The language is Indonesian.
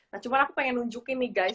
nah cuman aku pengen nunjukin nih guys